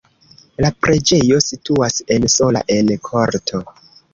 La preĝejo situas en sola en korto.